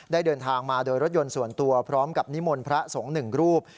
เดินทางมาโดยรถยนต์ส่วนตัวพร้อมกับนิมนต์พระสงฆ์หนึ่งรูป